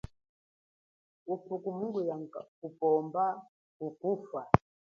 Ufuku munguya kupomba kukufa.